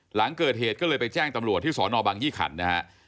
หลังเกิดเหตุก็เลยไปแจ้งตำรวจที่สอนอบังยี่ขันนะฮะ